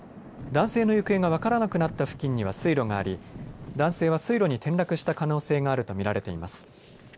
男性の行方が分からなくなった付近には水路があり男性は水路に転落した可能性があると見られています。